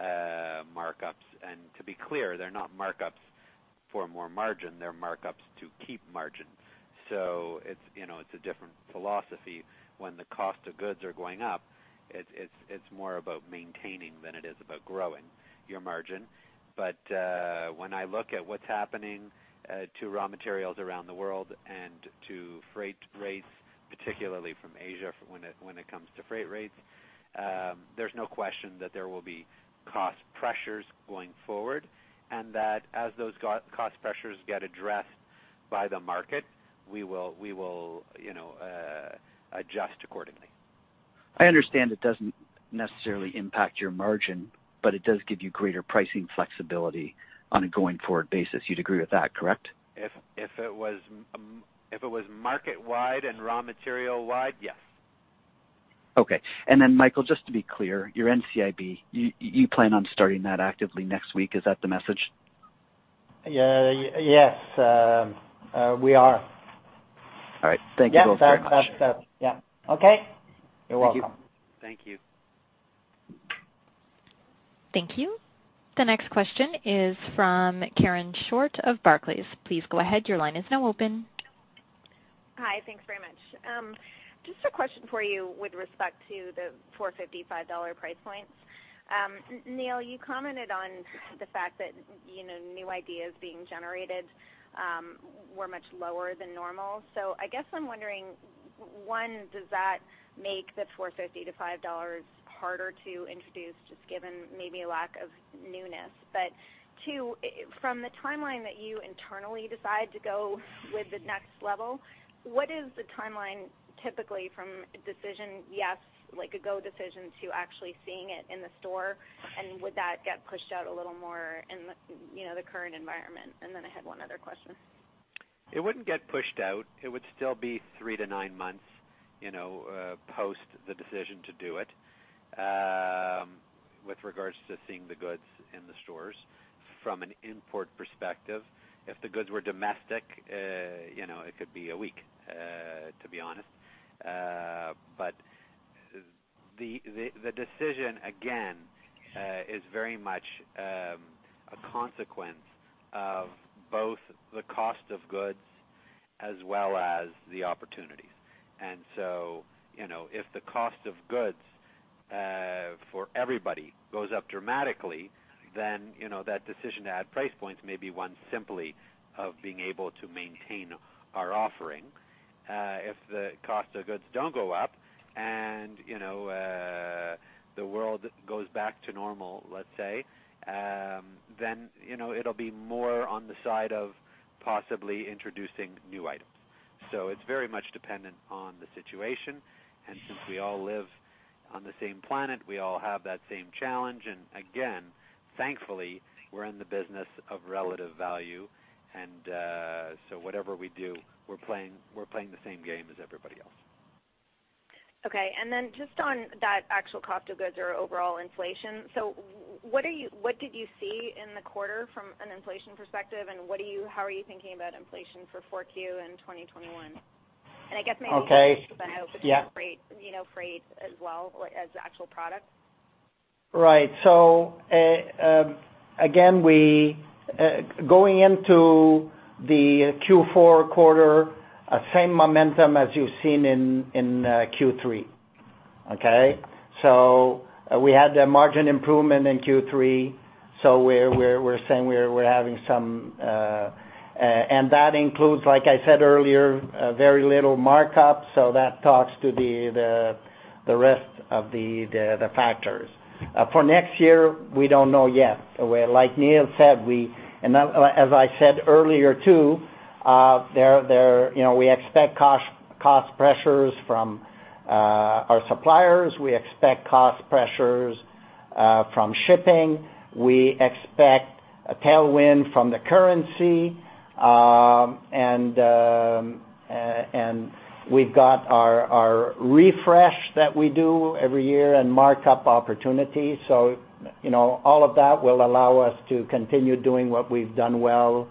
markups. To be clear, they're not markups for more margin, they're markups to keep margin. It's a different philosophy when the cost of goods are going up, it's more about maintaining than it is about growing your margin. When I look at what's happening to raw materials around the world and to freight rates, particularly from Asia, when it comes to freight rates, there's no question that there will be cost pressures going forward, and that as those cost pressures get addressed by the market, we will adjust accordingly. I understand it doesn't necessarily impact your margin, but it does give you greater pricing flexibility on a going forward basis. You'd agree with that, correct? If it was market-wide and raw material-wide, yes. Okay. Michael, just to be clear, your NCIB, you plan on starting that actively next week. Is that the message? Yes, we are. All right. Thank you both very much. Yeah. Okay. You're welcome. Thank you. Thank you. The next question is from Karen Short of Barclays. Please go ahead. Your line is now open. Hi. Thanks very much. Just a question for you with respect to the 4.50-5 dollar price points. Neil, you commented on the fact that new ideas being generated were much lower than normal. I guess I'm wondering, one, does that make the 4.50-5 dollars harder to introduce, just given maybe a lack of newness? Two, from the timeline that you internally decide to go with the next level, what is the timeline typically from a decision, yes, like a go decision to actually seeing it in the store? Would that get pushed out a little more in the current environment? I had one other question. It wouldn't get pushed out. It would still be three to nine months post the decision to do it, with regards to seeing the goods in the stores from an import perspective. If the goods were domestic, it could be a week, to be honest. The decision again, is very much a consequence of both the cost of goods as well as the opportunities. If the cost of goods for everybody goes up dramatically, then that decision to add price points may be one simply of being able to maintain our offering. If the cost of goods don't go up and the world goes back to normal, let's say, then it'll be more on the side of possibly introducing new items. It's very much dependent on the situation, and since we all live on the same planet, we all have that same challenge. Again, thankfully, we're in the business of relative value, and so whatever we do, we're playing the same game as everybody else. Okay, just on that actual cost of goods or overall inflation, what did you see in the quarter from an inflation perspective, and how are you thinking about inflation for 4Q and 2021? Okay. Yeah freight as well as the actual product. Right. Again, going into the Q4 quarter, same momentum as you've seen in Q3. Okay? We had the margin improvement in Q3, we're saying. That includes, like I said earlier, very little markup. That talks to the rest of the factors. For next year, we don't know yet. Like Neil said, and as I said earlier, too, we expect cost pressures from our suppliers. We expect cost pressures from shipping. We expect a tailwind from the currency, and we've got our refresh that we do every year and markup opportunity. All of that will allow us to continue doing what we've done well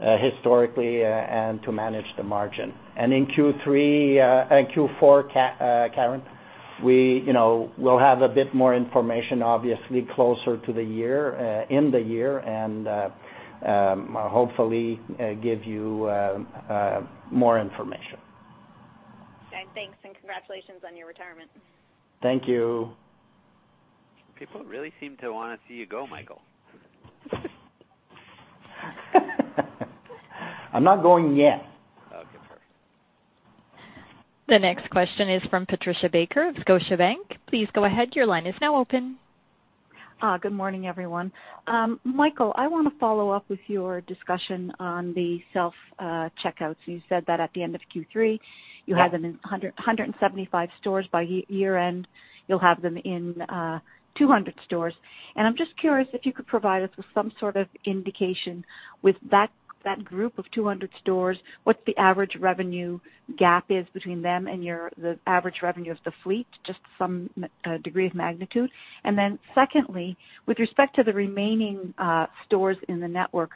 historically, and to manage the margin. In Q4, Karen, we'll have a bit more information, obviously, closer to the year, in the year, and, hopefully, give you more information. Okay, thanks. Congratulations on your retirement. Thank you. People really seem to want to see you go, Michael. I'm not going yet. Okay, sorry. The next question is from Patricia Baker of Scotiabank. Please go ahead. Your line is now open. Good morning, everyone. Michael, I want to follow up with your discussion on the self-checkouts. You said that at the end of Q3. Yeah you have them in 175 stores. By year-end, you'll have them in 200 stores. I'm just curious if you could provide us with some sort of indication with that group of 200 stores, what the average revenue gap is between them and the average revenue of the fleet, just some degree of magnitude. Secondly, with respect to the remaining stores in the network,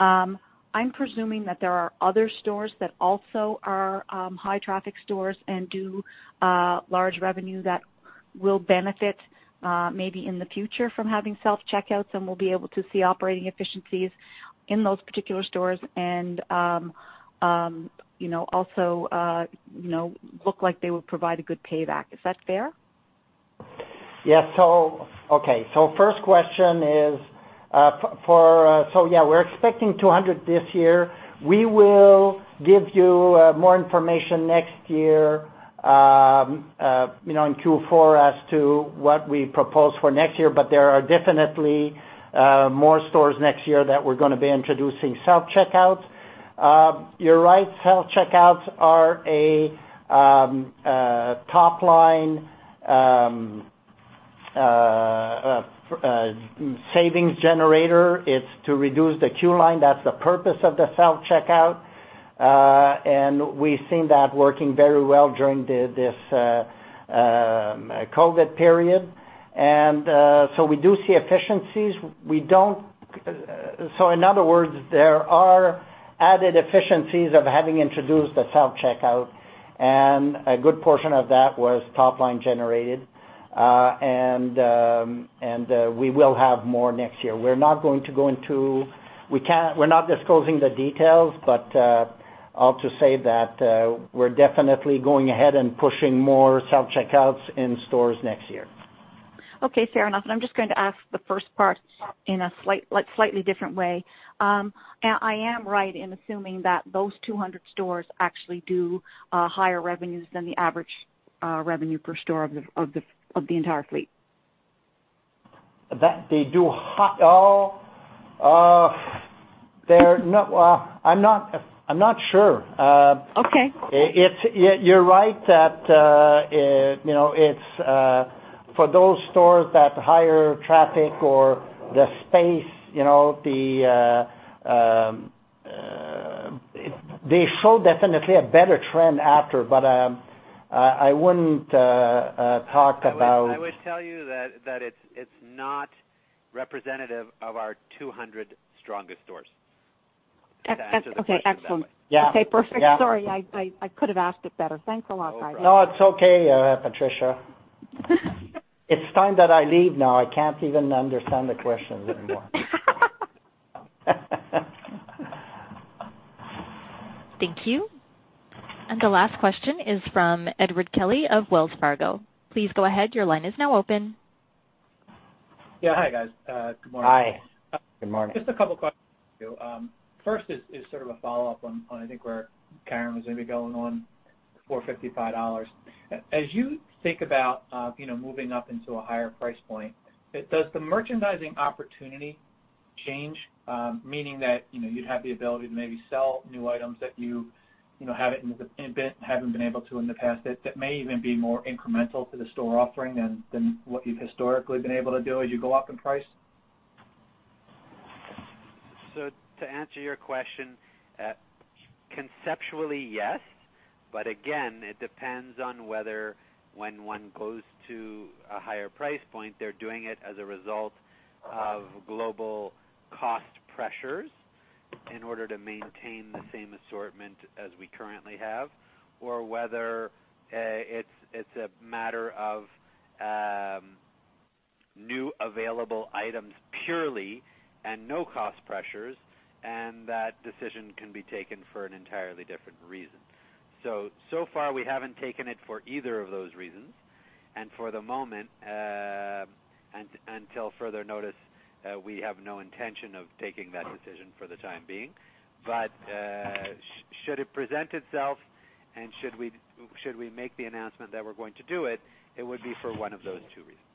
I'm presuming that there are other stores that also are high-traffic stores and do large revenue that will benefit maybe in the future from having self-checkouts and we'll be able to see operating efficiencies in those particular stores and also look like they will provide a good payback. Is that fair? Okay. First question is, yeah, we're expecting 200 this year. We will give you more information next year, in Q4 as to what we propose for next year, there are definitely more stores next year that we're going to be introducing self-checkouts. You're right, self-checkouts are a top-line savings generator. It's to reduce the queue line. That's the purpose of the self-checkout. We've seen that working very well during this COVID period. We do see efficiencies. In other words, there are added efficiencies of having introduced the self-checkout, a good portion of that was top-line generated. We will have more next year. We're not disclosing the details, I'll just say that we're definitely going ahead and pushing more self-checkouts in stores next year. Okay, fair enough. I'm just going to ask the first part in a slightly different way. I am right in assuming that those 200 stores actually do higher revenues than the average revenue per store of the entire fleet? I'm not sure. Okay. You're right that for those stores, that higher traffic or the space, they show definitely a better trend after, but I wouldn't talk about. I would tell you that it's not representative of our 200 strongest stores, to answer the question that way. Okay, excellent. Yeah. Okay, perfect. Sorry, I could have asked it better. Thanks a lot, guys. No, it's okay, Patricia. It's time that I leave now. I can't even understand the questions anymore. Thank you. The last question is from Edward Kelly of Wells Fargo. Please go ahead. Your line is now open. Yeah, hi, guys. Good morning. Hi. Good morning. Just a couple questions for you. First is sort of a follow-up on, I think, where Karen was maybe going on the 4.55 dollars. As you think about moving up into a higher price point, does the merchandising opportunity change, meaning that you'd have the ability to maybe sell new items that you haven't been able to in the past, that may even be more incremental to the store offering than what you've historically been able to do as you go up in price? To answer your question, conceptually, yes. Again, it depends on whether when one goes to a higher price point, they're doing it as a result of global cost pressures in order to maintain the same assortment as we currently have, or whether it's a matter of new available items purely and no cost pressures, and that decision can be taken for an entirely different reason. So far, we haven't taken it for either of those reasons. For the moment, until further notice, we have no intention of taking that decision for the time being. Should it present itself and should we make the announcement that we're going to do it would be for one of those two reasons.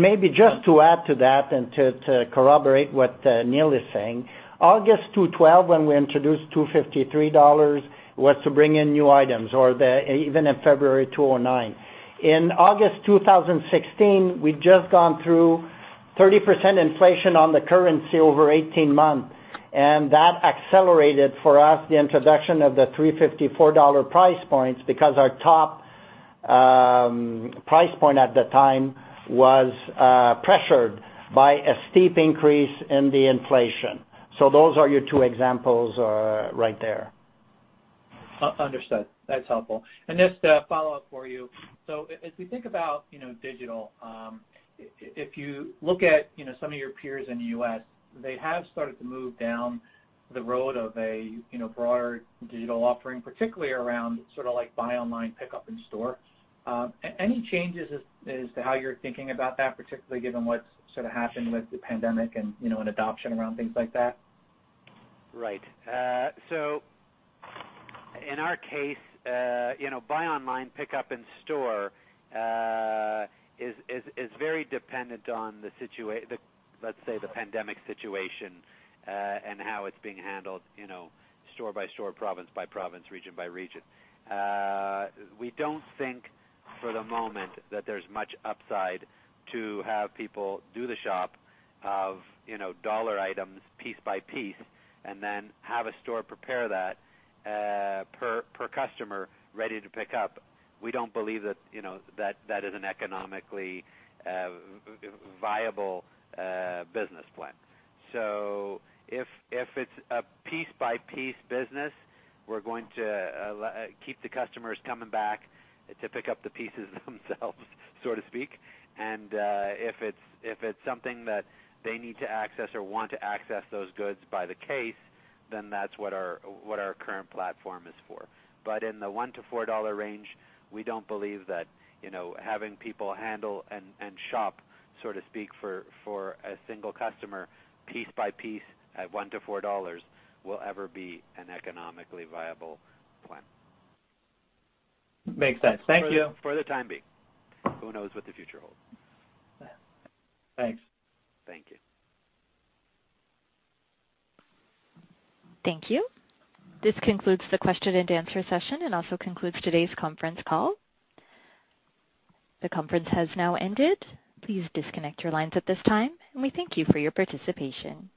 Maybe just to add to that and to corroborate what Neil is saying, August 2012, when we introduced 2.5-3 dollars, was to bring in new items, or even in February 2009. In August 2016, we'd just gone through 30% inflation on the currency over 18 months, and that accelerated for us the introduction of the 3.50 dollar, CAD 4 price points because our top price point at the time was pressured by a steep increase in the inflation. Those are your two examples right there. Understood. That's helpful. Just a follow-up for you. If we think about digital, if you look at some of your peers in the U.S., they have started to move down the road of a broader digital offering, particularly around sort of like buy online, pick up in store. Any changes as to how you're thinking about that, particularly given what's sort of happened with the pandemic and an adoption around things like that? Right. In our case, buy online, pick up in store is very dependent on, let's say, the pandemic situation and how it's being handled store by store, province by province, region by region. We don't think for the moment that there's much upside to have people do the shop of dollar items piece by piece and then have a store prepare that per customer ready to pick up. We don't believe that is an economically viable business plan. If it's a piece-by-piece business, we're going to keep the customers coming back to pick up the pieces themselves, so to speak. If it's something that they need to access or want to access those goods by the case, then that's what our current platform is for. In the 1-4 dollar range, we don't believe that having people handle and shop, so to speak, for a single customer piece by piece at 1-4 dollars will ever be an economically viable plan. Makes sense. Thank you. For the time being. Who knows what the future holds? Thanks. Thank you. Thank you. This concludes the question and answer session and also concludes today's conference call. The conference has now ended. Please disconnect your lines at this time, and we thank you for your participation.